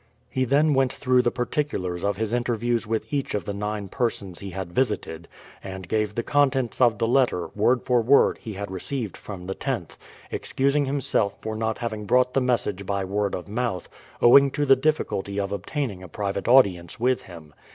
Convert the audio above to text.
He then went through the particulars of his interviews with each of the nine persons he had visited, and gave the contents of the letter, word for word, he had received from the tenth, excusing himself for not having brought the message by word of mouth, owing to the difficulty of obtaining a private audience with him.